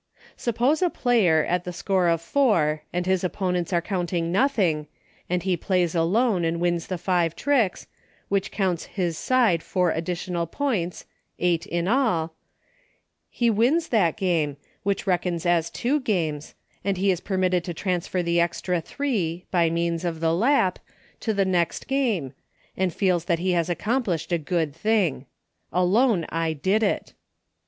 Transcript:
Suppose a player, at the score of four, and his opponents are counting nothing, and he Plays Alone and wins the five tricks, which counts his side four additional points— eight in all — he wins that game, which reckons as two games, and he is permitted to transfer the extra three — by means of the Lap — to the next game, and 64 EUCHRE. feels that he has accomplished a good thing, " Alone I did it."